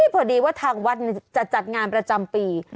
พอดีว่าทางวัดจะจัดงานประจำปี